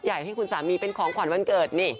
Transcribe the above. ใหญ่ให้คุณสามีเป็นของขวัญวันเกิด